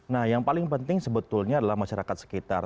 nah yang paling penting sebetulnya adalah masyarakat sekitar